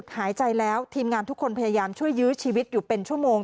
หายใจแล้วทีมงานทุกคนพยายามช่วยยื้อชีวิตอยู่เป็นชั่วโมง